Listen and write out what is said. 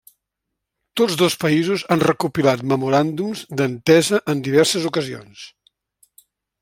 Tots dos països han recopilat memoràndums d'entesa en diverses ocasions.